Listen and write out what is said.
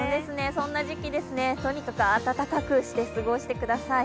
そんな時期ですね、とにかく暖かくして過ごしてください。